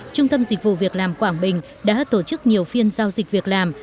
trung tâm dịch vụ việc làm quảng bình đã tổ chức nhiều phiên giao dịch việc làm